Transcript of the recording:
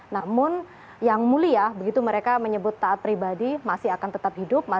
namun yang mulia begitu mereka menyebut taat pribadi masih akan tetap hidup